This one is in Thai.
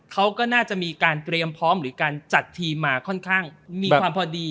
เขาก็น่าจะมีการเตรียมพร้อมหรือการจัดทีมมาค่อนข้างมีความพอดี